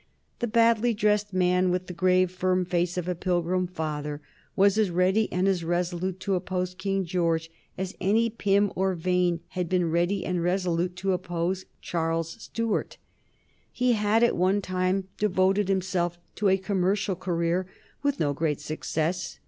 The badly dressed man with the grave firm face of a Pilgrim Father was as ready and as resolute to oppose King George as any Pym or Vane had been ready and resolute to oppose Charles Stuart. He had at one time devoted himself to a commercial career, with no great success.